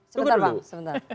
sebentar bang sebentar